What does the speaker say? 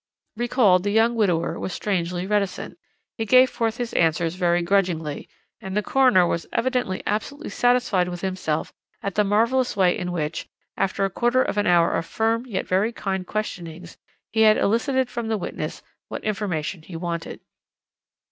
"Recalled, the young widower was strangely reticent. He gave forth his answers very grudgingly, and the coroner was evidently absolutely satisfied with himself at the marvellous way in which, after a quarter of an hour of firm yet very kind questionings, he had elicited from the witness what information he wanted.